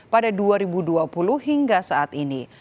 pada dua ribu dua puluh hingga saat ini